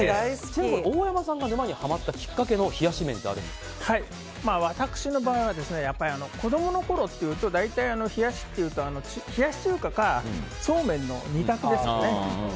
大山さんが沼にハマったきっかけの私の場合は子供のころというと大体、冷やしというと冷やし中華かそうめんの２択ですよね。